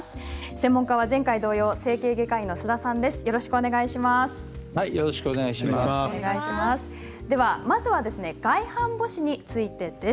専門家は前回、同様整形外科医の須田さんです。